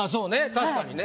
確かにね。